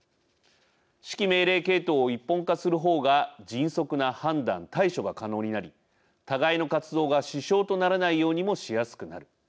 指揮命令系統を一本化する方が迅速な判断・対処が可能になり互いの活動が支障とならないようにもしやすくなる。